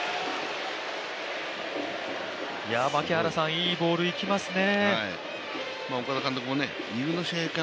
いいボールいきますね。